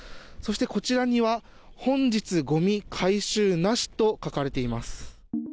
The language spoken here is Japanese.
そしてこちらには本日ゴミ回収なしと書かれています。